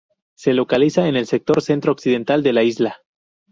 Se localiza en el sector centro-occidental de la isla.